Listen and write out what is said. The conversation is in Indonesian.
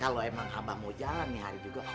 kalo emang abah mau jalan nih hari juga